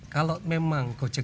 kalau memang gojek